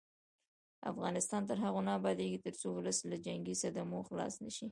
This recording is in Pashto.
افغانستان تر هغو نه ابادیږي، ترڅو ولس له جنګي صدمو خلاص نشي.